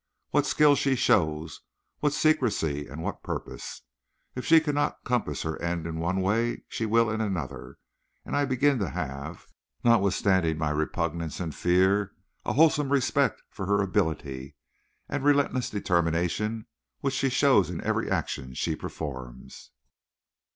What skill she shows; what secrecy and what purpose. If she cannot compass her end in one way, she will in another; and I begin to have, notwithstanding my repugnance and fear, a wholesome respect for her ability and the relentless determination which she shows in every action she performs.